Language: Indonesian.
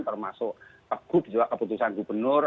termasuk teguh juga keputusan gubernur